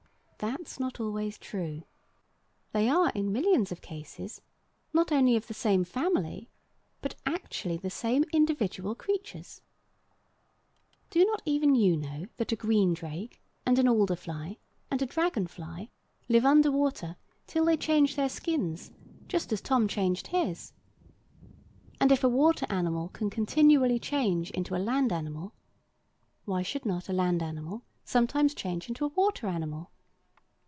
That's not always true. They are, in millions of cases, not only of the same family, but actually the same individual creatures. Do not even you know that a green drake, and an alder fly, and a dragon fly, live under water till they change their skins, just as Tom changed his? And if a water animal can continually change into a land animal, why should not a land animal sometimes change into a water animal?